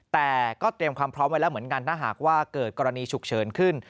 แต่ก็เตรียมความพร้อมไว้แล้วเหมือนกันถ้าหากว่าเกิดกรณีฉุกเฉินขึ้น